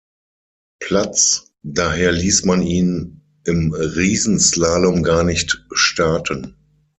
Platz, daher ließ man ihn im Riesenslalom gar nicht starten.